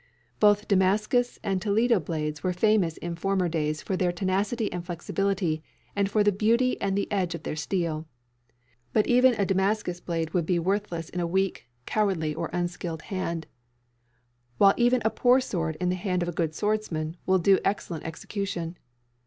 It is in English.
Both Damascus and Toledo blades were famous in former days for their tenacity and flexibility, and for the beauty and the edge of their steel. But even a Damascus blade would be worthless in a weak, cowardly, or unskilled hand; while even a poor sword in the hand of a good swordsman will do excellent execution.